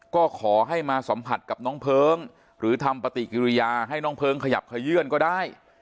ก็ขอให้มาสัมผัสกับน้องเพลิงหรือทำปฏิกิริยาให้น้องเพลิงขยับขยื่นก็ได้